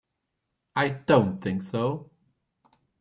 I don't think so.